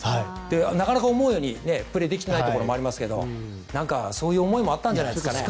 なかなか思うようにプレーできていないところもありますがなんか、そういう思いもあったんじゃないですかね。